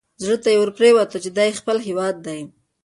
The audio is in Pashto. زړه ته یې ورپرېوته چې دا یې خپل هیواد دی.